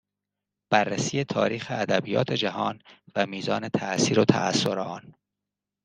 بررسی تاریخ ادبیات جهان و میزان تاثیر و تاثر آن